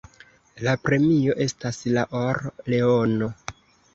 La premio estas la or-leono.